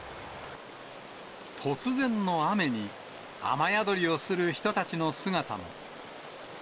突然の雨に雨宿りをする人たちの姿も。